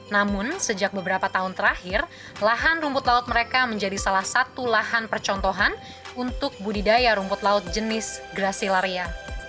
namun sejak beberapa tahun terakhir lahan rumput laut mereka menjadi salah satu lahan percontohan untuk budidaya rumput laut jenis gracilaria